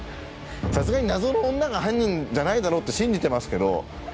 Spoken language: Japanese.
さすがに謎の女が犯人じゃないだろうって信じてますけど。